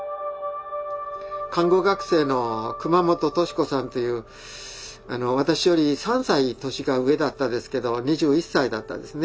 看護学生の熊本敏子さんっていう私より３歳年が上だったですけど２１歳だったですね。